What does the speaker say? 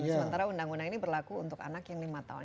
sementara undang undang ini berlaku untuk anak yang lima tahun